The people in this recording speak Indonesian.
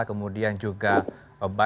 kemudian juga berbicara